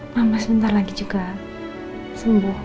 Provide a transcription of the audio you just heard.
mama sebentar lagi juga sembuh